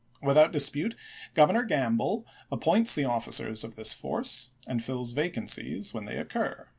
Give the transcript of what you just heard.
Without dispute, Governor Gamble appoints the officers of this force, and fiUs vacancies when they occur.